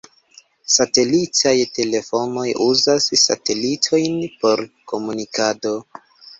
Satelitaj telefonoj uzas satelitojn por komunikado.